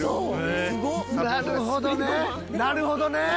なるほどね。